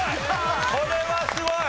これはすごい！